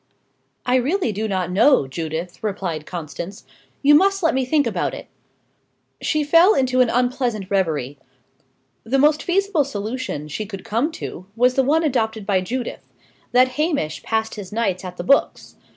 "I really do not know, Judith," replied Constance. "You must let me think about it." She fell into an unpleasant reverie. The most feasible solution she could come to, was the one adopted by Judith that Hamish passed his nights at the books.